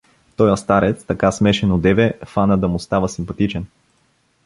Тоя старец, така смешен одеве, фана да му става симпатичен.